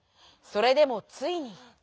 それでもついに。